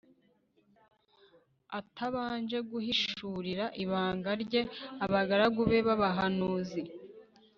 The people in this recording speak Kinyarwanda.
atabanje guhishurira ibanga rye abagaragu be b abahanuzi